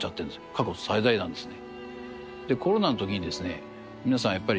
過去最大なんですね。